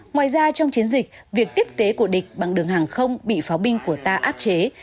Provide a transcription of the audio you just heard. ngoài ra trong chiến dịch việc tiếp tế của địch bằng đường hàng không bị pháo binh của ta áp chế